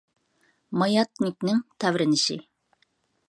ماياتنىكنىڭ تەۋرىنىشى